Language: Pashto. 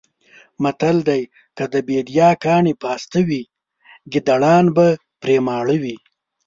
متل دی: که د بېدیا کاڼي پاسته وی ګېدړان به پرې ماړه وی.